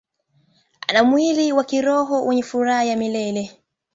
Ana mwili wa kiroho wenye furaha ya milele.